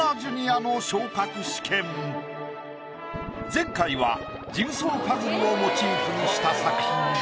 前回はジグソーパズルをモチーフにした作品で。